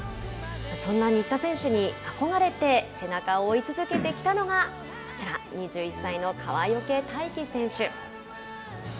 そんな新田選手に憧れて背中を追い続けてきたのがこちら、２１歳の川除大輝選手。